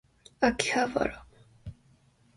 秋葉原